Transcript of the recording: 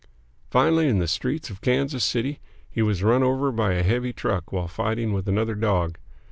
Finally, in the streets of Kansas City, he was run over by a heavy truck while fighting with another dog.